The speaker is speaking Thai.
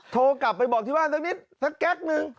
โทรกลับไปบอกที่บ้านสักนิดสักแก๊กนึง